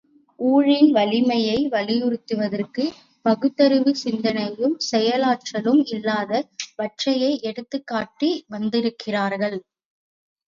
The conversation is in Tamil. ஊழின் வலிமையை வலியுறுத்துவதற்கு பகுத்தறிவும் சிந்தனையும், செயலாற்றலும் இல்லாத வற்றையே எடுத்துக் காட்டி வந்திருக்கிறார்கள்.